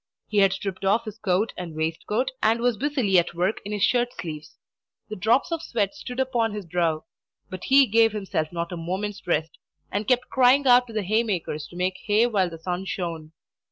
He had stripped off his coat and waistcoat, and was busily at work in his shirt sleeves. The drops of sweat stood upon his brow; but he gave himself not a moment's rest, and kept crying out to the haymakers to make hay while the sun shone.